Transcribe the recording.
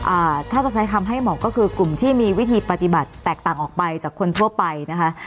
อ่าถ้าจะใช้คำให้เหมาะก็คือกลุ่มที่มีวิธีปฏิบัติแตกต่างออกไปจากคนทั่วไปนะคะ